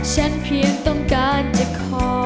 เพียงต้องการจะขอ